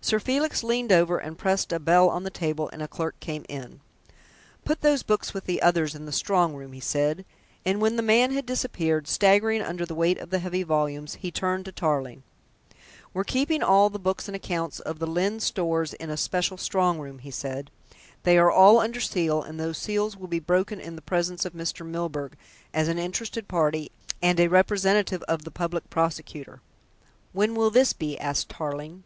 Sir Felix leaned over and pressed a bell on the table, and a clerk came in. "Put those books with the others in the strong room," he said, and when the man had disappeared, staggering under the weight of the heavy volumes he turned to Tarling. "We're keeping all the books and accounts of Lyne's Stores in a special strong room," he said. "They are all under seal, and those seals will be broken in the presence of Mr. Milburgh, as an interested party, and a representative of the Public Prosecutor." "When will this be?" asked Tarling.